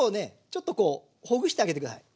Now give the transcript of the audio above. ちょっとこうほぐしてあげて下さい。